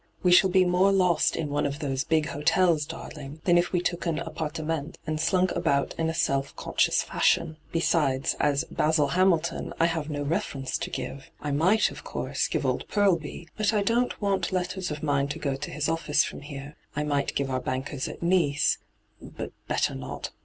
We shall be more lost in one of those big hotels, darling, than if we took an a/pparte ment and slunk about in a self conscious fashion. Besides, as " Basil Hamilton " I have no refer ence to give. I might, of course, give old Purlby ; but I don't want letters of mine to go to his office from here. I might give our bankers at Nice — but better not.